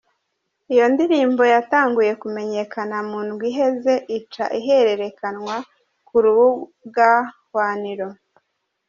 Iyo ndirimbo yatanguye kumenyekana mu ndwi iheze, ica ihererekanwa ku rubuga hwaniro.